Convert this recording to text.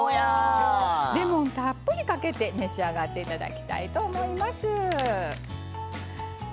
レモンたっぷりかけて召し上がっていただきたいと思います。